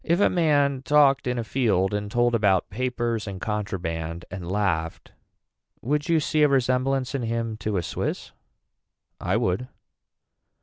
If a man talked in a field and told about papers and contraband and laughed would you see a resemblance in him to a Swiss. I would.